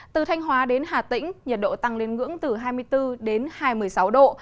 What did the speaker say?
từ thanh hóa đến hà tĩnh nhiệt độ tăng lên ngưỡng từ hai mươi bốn đến hai mươi sáu độ